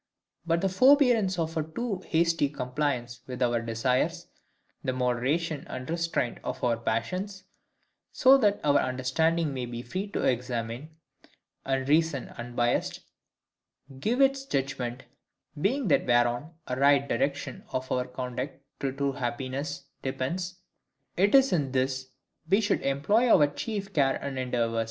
But the forbearance of a too hasty compliance with our desires, the moderation and restraint of our passions, so that our understandings may be free to examine, and reason unbiassed, give its judgment, being that whereon a right direction of our conduct to true happiness depends; it is in this we should employ our chief care and endeavours.